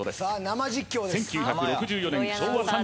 生実況です